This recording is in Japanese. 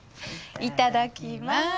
いただきます。